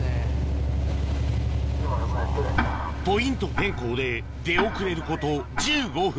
ポイント変更で出遅れること１５分